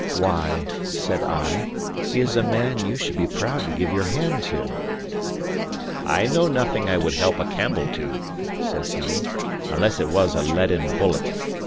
"Why," said I, "he is a man you should be proud to give your hand to." "I know nothing I would help a Campbell to," says he, "unless it was a leaden bullet.